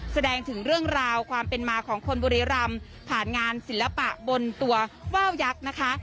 แสดงถึงเรื่องราวความเป็นมาของคนบุรีรำผ่านงานศิลปะบนตัวว่าวยักษ์นะคะ